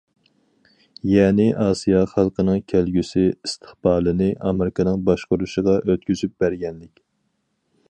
يەنى ئاسىيا خەلقىنىڭ كەلگۈسى ئىستىقبالىنى ئامېرىكىنىڭ باشقۇرۇشىغا ئۆتكۈزۈپ بەرگەنلىك.